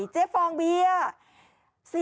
ฟองเบียร์